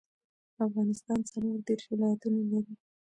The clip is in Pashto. افغانستان څلور دیرش ولايتونه لري